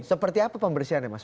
seperti apa pembersihannya mas